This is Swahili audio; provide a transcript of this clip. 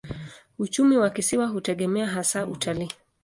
Uchumi wa kisiwa hutegemea hasa utalii.